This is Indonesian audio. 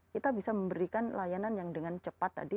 kita bisa memberikan layanan yang dengan cepat tadi